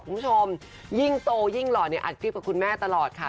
คุณผู้ชมยิ่งโตยิ่งหล่อเนี่ยอัดคลิปกับคุณแม่ตลอดค่ะ